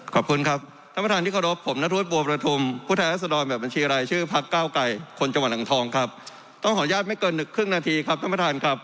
ขออนุญาตท่านประธานนิดเดียวครับไม่เกินครึ่งนาทีครับ